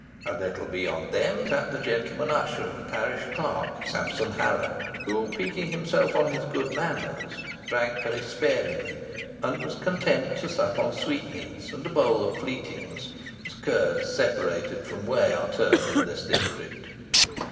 A little beyond them sat the gentleman usher and parish clerk, Sampson Harrop, who, piquing himself on his good manners, drank very sparingly, and was content to sup on sweetmeats and a bowl of fleetings, as curds separated from whey are termed in this district.